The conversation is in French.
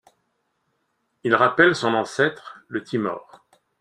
Il rappelle son ancêtre, le Timor.